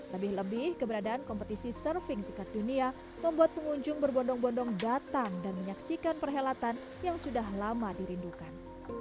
lebih lebih keberadaan kompetisi surfing tingkat dunia membuat pengunjung berbondong bondong datang dan menyaksikan perhelatan yang sudah lama dirindukan